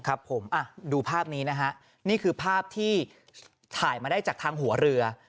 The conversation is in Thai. ครับผมอ่ะดูภาพนี้นะฮะนี่คือภาพที่ถ่ายมาได้จากทางหัวเรือ